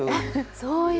そういう。